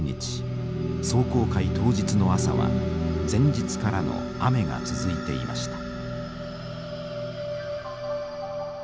壮行会当日の朝は前日からの雨が続いていました。